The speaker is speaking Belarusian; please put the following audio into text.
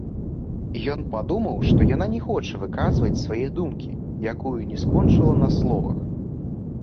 Ён падумаў, што яна не хоча выказваць свае думкі, якую не скончыла на словах.